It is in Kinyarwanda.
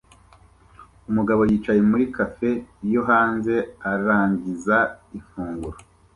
Umugabo yicaye muri cafe yo hanze arangiza ifunguro